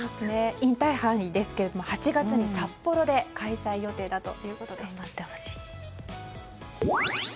インターハイですけども８月に札幌で開催予定だということです。